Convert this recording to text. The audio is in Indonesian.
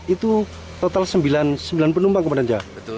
itu total sembilan penumpang kumparan jajanjirang